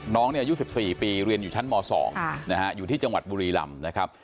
น้องนี่อายุ๑๔ปีเรียนอยู่ชั้นม๒อ่ะอยู่ที่จังหวัดบุรีรำ